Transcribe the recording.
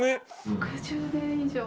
６０年以上前。